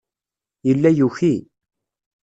Yella yuki.